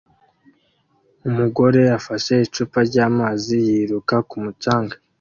Umugore ufashe icupa ryamazi yiruka ku mucanga